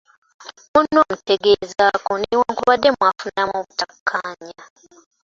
Munno omutegezaako newankubadde mwafunamu obutakkaanya.